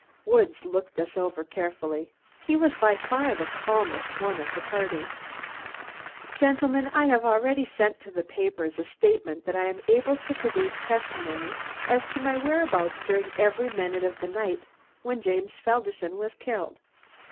Woods looked us over carefully. He was by far the calmest one of the party. "Gentlemen, I have already sent to the papers a statement that I am able to produce testimony as to my whereabouts during every minute of the night when James Felderson was killed.